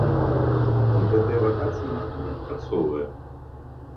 І гэтыя вакацыі ніхто не адпрацоўвае.